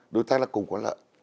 đối tác là cùng quán lợi